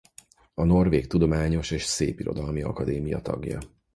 A Norvég Tudományos és Szépirodalmi Akadémia tagja.